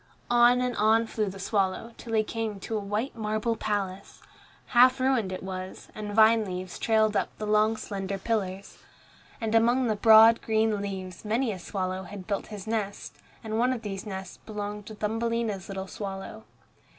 On and on flew the swallow, till he came to a white marble palace. Half ruined it was, and vine leaves trailed up the long slender pillars. And among the broad, green leaves many a swallow had built his nest, and one of these nests belonged to Thumbelina's little swallow.